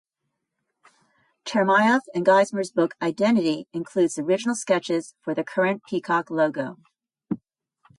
Chermayeff and Geismar's book "Identify", includes the original sketches for the current peacock logo.